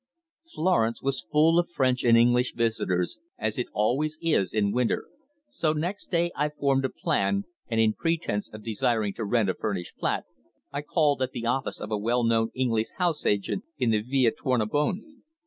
Florence was full of French and English visitors, as it always is in winter, so next day I formed a plan, and in pretence of desiring to rent a furnished flat, I called at the office of a well known English house agent in the Via Tornabuoni.